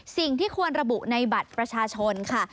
สิ่งที่ควรระบุในบัตรประชาชนค่ะ